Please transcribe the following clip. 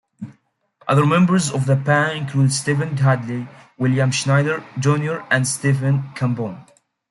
Other members of the panel included Stephen Hadley, William Schneider, Junior and Stephen Cambone.